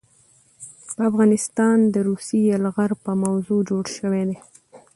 په افغانستان د روسي يلغار په موضوع جوړ شوے دے